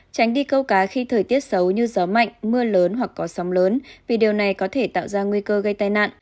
tránh đi câu cá khi thời tiết xấu như gió mạnh mưa lớn hoặc có sóng lớn vì điều này có thể tạo ra nguy cơ gây tai nạn